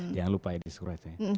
jangan lupa di subscribe